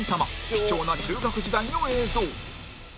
貴重な中学時代の映像